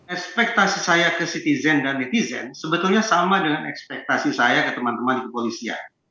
ekspektasi saya ke citizen dan netizen sebetulnya sama dengan ekspektasi saya ke teman teman di kepolisian